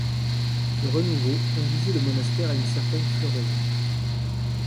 Ce renouveau conduisit le monastère à une certaine floraison.